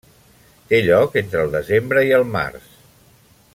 Té lloc entre el desembre i el març.